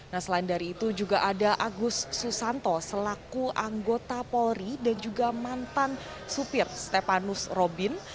nah selain dari itu juga ada agus susanto selaku anggota polri dan juga mantan supir stepanus robin